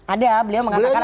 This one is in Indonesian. ada beliau mengatakan